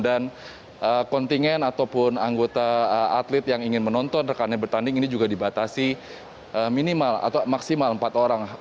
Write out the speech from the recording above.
dan kontingen ataupun anggota atlet yang ingin menonton rekannya bertanding ini juga dibatasi minimal atau maksimal empat orang